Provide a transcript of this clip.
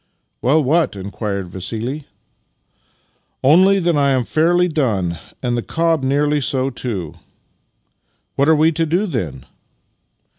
" Well, what? " inquired Vassili. " Only that I am fairly done, and the cob nearly so too." " What are we to do, then?